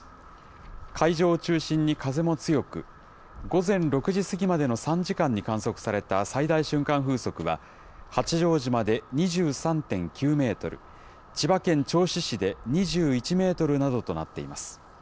海上を中心に風も強く、午前６時過ぎまでの３時間に観測された最大瞬間風速は、八丈島で２３．９メートル、千葉県銚子市で２１メートルなどとなっています。